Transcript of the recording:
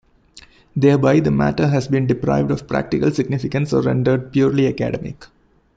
Thereby the matter has been deprived of practical significance or rendered purely academic.